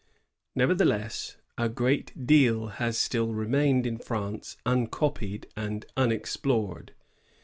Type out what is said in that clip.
Never theless, a great deal has still remained in France uncopied and unexplored.